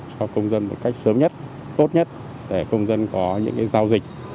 cho công dân một cách sớm nhất tốt nhất để công dân có những giao dịch